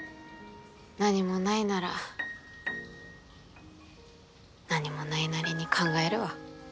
何もないなら何もないなりに考えるわ。